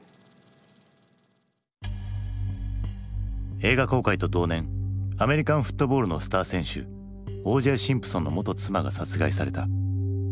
映画公開と同年アメリカンフットボールのスター選手Ｏ・Ｊ・シンプソンの元妻が殺害された。